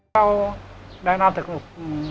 sau đại nam thực lục